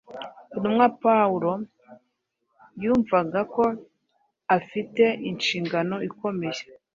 Intumwa Pawulo yumvaga ko afite inshingano ikomeye